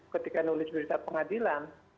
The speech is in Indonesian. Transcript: ketika menulis berita pengadilan